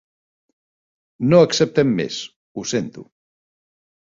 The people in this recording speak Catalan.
No acceptem més, ho sento.